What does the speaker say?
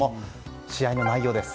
試合の内容です。